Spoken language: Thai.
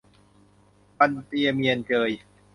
บันเตียเมียนเจย